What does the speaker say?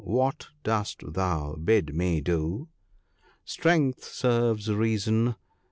what dost thou bid me do?— "Strength serves Reason.